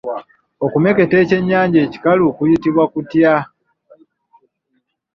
Okumeketa ekyennyanja ekikalu kuyitibwa kutya?